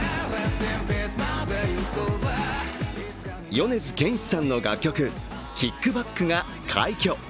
米津玄師さんの楽曲「ＫＩＣＫＢＡＣＫ」が快挙。